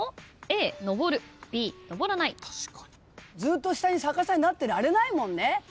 ずっと下に逆さになってられないもんね。